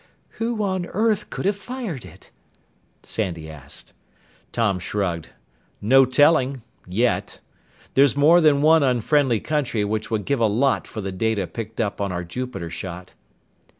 "Who on earth could have fired it?" Sandy asked. Tom shrugged. "No telling yet. There's more than one unfriendly country which would give a lot for the data picked up on our Jupiter shot."